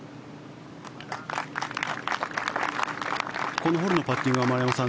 このホールのパッティングは丸山さん